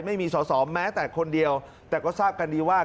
ไม่มีสอสอแม้แต่คนเดียวแต่ก็ทราบกันดีว่า